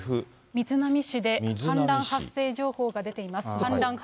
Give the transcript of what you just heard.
瑞浪市で氾濫発生情報が出ています。